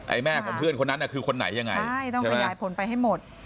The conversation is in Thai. แม่ของเพื่อนคนนั้นน่ะคือคนไหนยังไงใช่ต้องขยายผลไปให้หมด